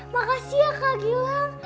makasih ya kak gilang